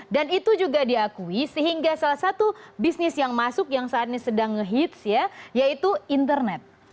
dan itu juga diakui sehingga salah satu bisnis yang masuk yang saat ini sedang nge hit yaitu internet